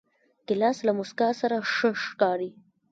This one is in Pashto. ګیلاس له موسکا سره ښه ښکاري.